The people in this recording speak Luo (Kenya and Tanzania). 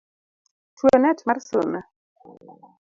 Twe net mar suna